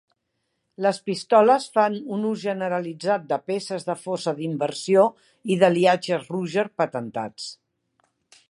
Les pistoles fan un ús generalitzat de peces de fosa d'inversió i d'aliatges Ruger patentats.